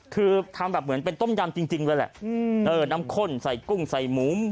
คือทำแบบเหมือนเป็นต้มยำจริงเลยแหละน้ำข้นใส่กุ้งใส่หมู